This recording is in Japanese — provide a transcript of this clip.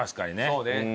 そうね。